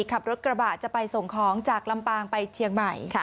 ขับรถกระบะจะไปส่งของจากลำปางไปเชียงใหม่